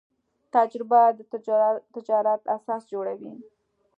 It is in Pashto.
تجربه د تجارت اساس جوړوي.